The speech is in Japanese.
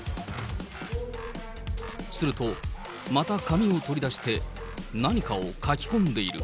すると、また紙を取り出して、何かを書き込んでいる。